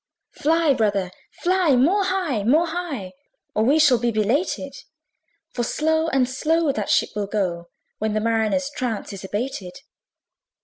Fly, brother, fly! more high, more high Or we shall be belated: For slow and slow that ship will go, When the Mariner's trance is abated.